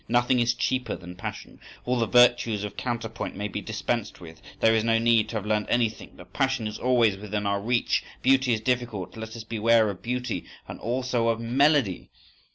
Nothing is cheaper than passion! All the virtues of counterpoint may be dispensed with, there is no need to have learnt anything,—but passion is always within our reach! Beauty is difficult: let us beware of beauty!… And also of _melody!